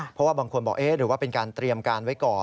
เพราะว่าบางคนบอกเอ๊ะหรือว่าเป็นการเตรียมการไว้ก่อน